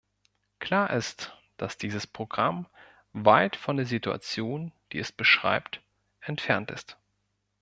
Klar ist, dass dieses Programm weit von der Situation, die es beschreibt, entfernt ist.